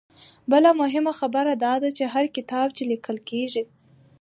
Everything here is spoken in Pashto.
بله مهمه خبره دا ده چې هر کتاب چې ليکل کيږي